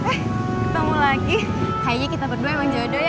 eh ketemu lagi kayaknya kita berdua emang jodoh ya